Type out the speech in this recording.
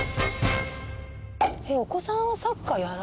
お子さんはサッカー。